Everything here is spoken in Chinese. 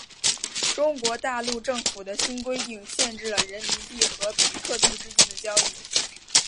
中国大陆政府的新规定限制了人民币和比特币之间的交易。